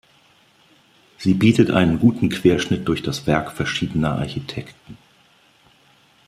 Sie bietet einen guten Querschnitt durch das Werk verschiedener Architekten.